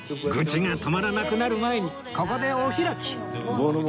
愚痴が止まらなくなる前にここでお開き